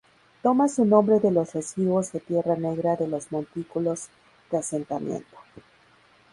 Toma su nombre de los residuos de tierra negra de los montículos de asentamiento.